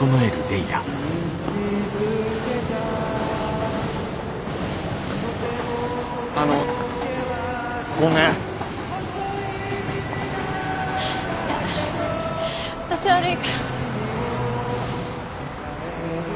いや私悪いから。